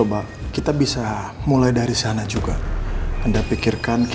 bahasa kore recurring